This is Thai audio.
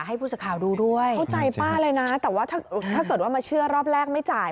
ให้ผู้สื่อข่าวดูด้วยเข้าใจป้าเลยนะแต่ว่าถ้าเกิดว่ามาเชื่อรอบแรกไม่จ่าย